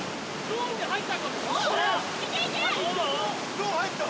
ゾーン入った。